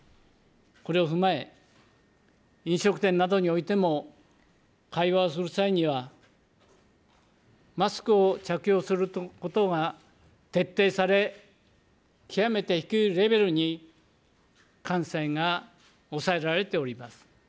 これを踏まえ、飲食店などにおいても会話する際には、マスクを着用することが徹底され、極めて低いレベルに感染が抑えられております。